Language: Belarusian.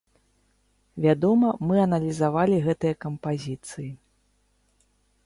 Вядома, мы аналізавалі гэтыя кампазіцыі.